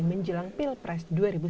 menjelang pilpres dua ribu sembilan belas